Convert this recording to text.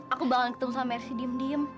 aku bakal ketemu sama ersi diem diem